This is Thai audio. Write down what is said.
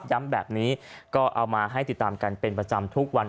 ย้ำแบบนี้ก็เอามาให้ติดตามกันเป็นประจำทุกวัน